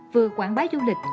vừa quảng bá du lịch